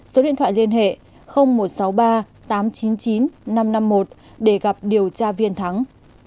số điện thoại liên hệ một trăm sáu mươi ba tám trăm chín mươi chín năm trăm năm mươi một để gặp điều tra viên thắng